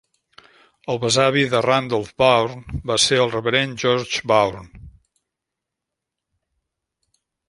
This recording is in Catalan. El besavi de Randolph Bourne va ser el reverend George Bourne.